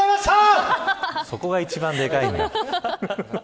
そこが一番でかいんだ。